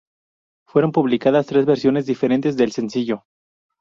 Fueron publicadas tres versiones diferentes del sencillo.